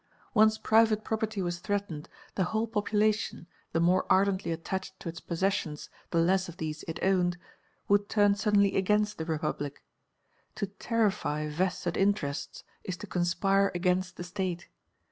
Once private property was threatened, the whole population, the more ardently attached to its possessions the less of these it owned, would turn suddenly against the Republic. To terrify vested interests is to conspire against the State.